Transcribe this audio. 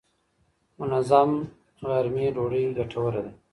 منظم غرمې ډوډۍ ګټوره ده.